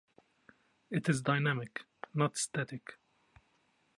It is dynamic, not static.